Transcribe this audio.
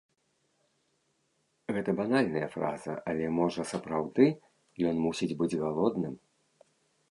Гэта банальная фраза, але, можа, сапраўды ён мусіць быць галодным.